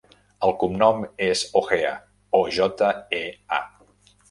El cognom és Ojea: o, jota, e, a.